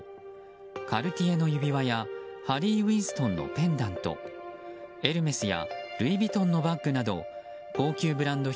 カルティエの指輪やハリー・ウィンストンのペンダントエルメスやルイ・ヴィトンのバッグなど高級ブランド品